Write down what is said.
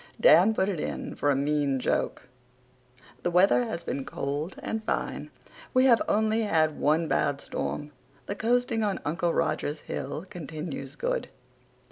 Dan put it in for a mean joke. The weather has been cold and fine. We have only had one bad storm. The coasting on Uncle Roger's hill continues good.